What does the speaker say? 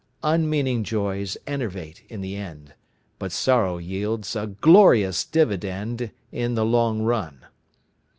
Unmeaning joys enervate in the end, But sorrow yields a glorious dividend In the long run.